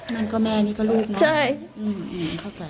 ว่าแม่นี้ก็ลูกเนาะ